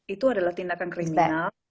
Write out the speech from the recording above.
itu adalah tindakan kriminal